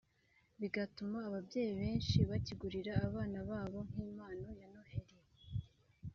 bigatuma ababyeyi benshi bakigurira abana babo nk’impano ya Noheli